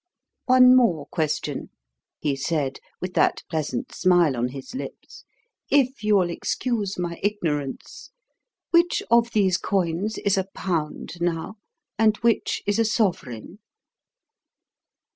"One more question," he said, with that pleasant smile on his lips, "if you'll excuse my ignorance. Which of these coins is a pound, now, and which is a sovereign?"